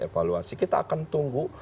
evaluasi kita akan tunggu